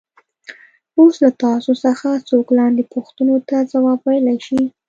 اوس له تاسو څخه څوک لاندې پوښتنو ته ځواب ویلای شي.